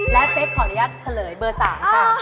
และเป๊กขออนุญาตเฉลยเบอร์๓ค่ะ